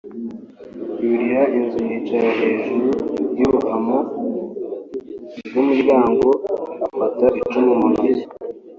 yurira inzu yicara hejuru y ‘uruhamo rw’umuryango afata icumu mu ntoki